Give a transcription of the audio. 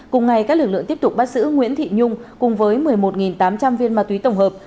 cùng ngày các lực lượng tiếp tục bắt giữ nguyễn thị nhung cùng với một mươi một tám trăm linh viên ma túy tổng hợp